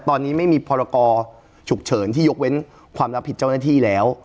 ตอนนี้ไม่มีพรกรฉุกเฉินที่ยกเว้นความรับผิดเจ้าหน้าที่แล้ว